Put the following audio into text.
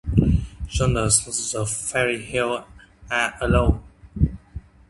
Yonder's the Fairy Hill a' alowe.